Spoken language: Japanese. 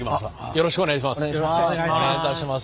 よろしくお願いします。